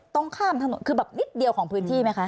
ตรงข้ามถนนคือแบบนิดเดียวของพื้นที่ไหมคะ